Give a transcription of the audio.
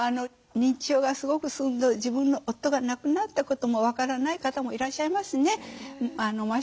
認知症がすごく進んで自分の夫が亡くなったことも分からない方もいらっしゃいますね。